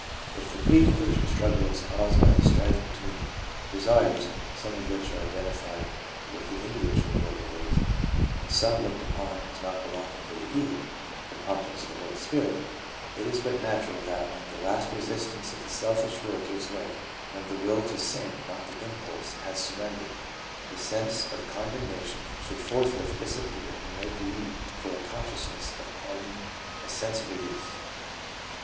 If the pre conversion struggle is caused by the strife between desires, some of which are identified with the individual will to live, and some looked upon as not belonging to the ego (the promptings of the Holy Spirit), it is but natural that when the last resistance of the selfish will gives way, when the will to sin (not the impulse) has surrendered, the sense of condemnation should forthwith disappear and make room for a consciousness of pardon, a sense of release.